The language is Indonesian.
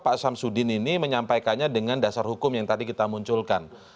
pak samsudin ini menyampaikannya dengan dasar hukum yang tadi kita munculkan